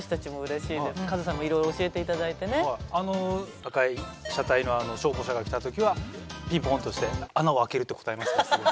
赤い車体の消防車が来た時はピンポンって押して穴を開けるって答えますね。